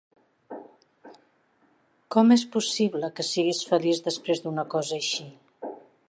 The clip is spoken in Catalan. Com és possible que siguis feliç desprès d'una cosa així?